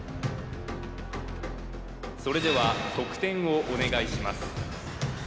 それでは得点をお願いします